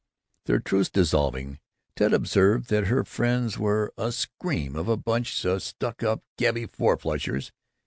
Their truce dissolving, Ted observed that her friends were "a scream of a bunch stuck up gabby four flushers."